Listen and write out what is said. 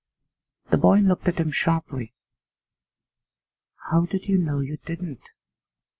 The boy looked at him sharply. 'How do you know you didn't?